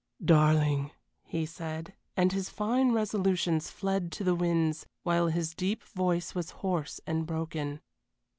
"Darling," he said, and his fine resolutions fled to the winds, while his deep voice was hoarse and broken.